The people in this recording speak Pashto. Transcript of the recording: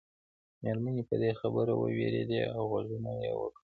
مېرمنې په دې خبره ووېرېدې او غږونه یې وکړل.